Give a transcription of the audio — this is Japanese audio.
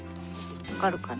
分かるかな？